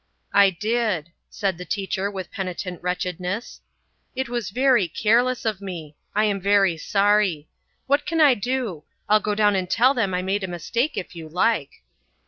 "I did," said the teacher with penitent wretchedness. "It was very careless of me I am very sorry. What can I do? I'll go down and tell them I made a mistake if you like."